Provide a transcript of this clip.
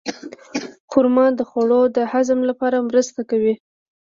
خرما د خوړو د هضم لپاره مرسته کوي.